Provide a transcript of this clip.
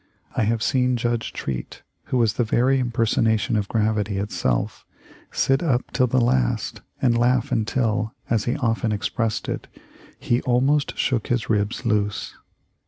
I have seen Judge Treat, who was the very impersonation of gravity itself, sit up till the last and laugh until, as he often expressed it, "he almost shook his ribs loose."